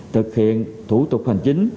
thực hiện thủ tục hành chính